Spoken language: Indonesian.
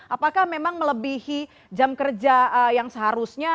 apakah memang melebihi jam kerja yang seharusnya